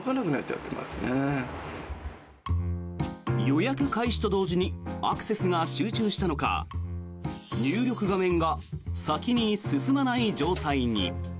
予約開始と同時にアクセスが集中したのか入力画面が先に進まない状態に。